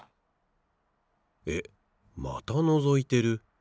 えっまたのぞいてる。